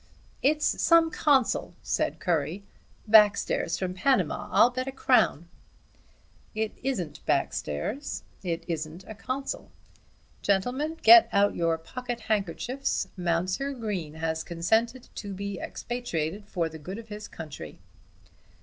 "It's some consul," said Currie. "Backstairs from Panama, I'll bet a crown." "It isn't Backstairs, it isn't a consul. Gentlemen, get out your pocket handkerchiefs. Mounser Green has consented to be expatriated for the good of his country."